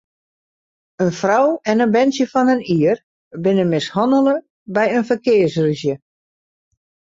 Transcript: In frou en in berntsje fan in jier binne mishannele by in ferkearsrûzje.